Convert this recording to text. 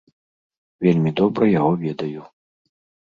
Вельмі добра яго ведаю.